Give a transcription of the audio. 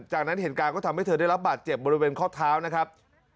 จากนั้นเหตุการณ์ก็ทำให้เธอได้รับบาดเจ็บบริเวณข้อเท้านะครับ